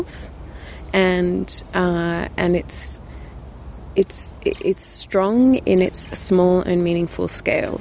dan ini kuat dalam skala keinginan kecil